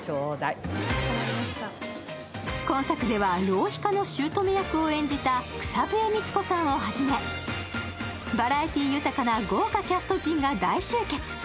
今作では浪費家のしゅうとめ役を演じた草笛光子さんをはじめバラエティー豊かな豪華キャスト陣が大集結。